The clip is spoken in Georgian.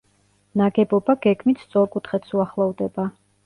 ნაგებობა გეგმით სწორკუთხედს უახლოვდება.